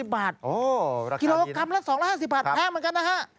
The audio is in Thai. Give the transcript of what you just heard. กิโลกรัมละ๒๕๐บาทแพงเหมือนกันนะฮะ